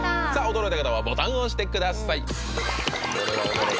驚いた方はボタン押してください